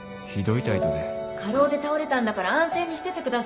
過労で倒れたんだから安静にしててください。